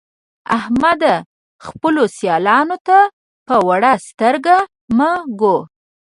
احمده! خپلو سيالانو ته په وړه سترګه مه ګوه.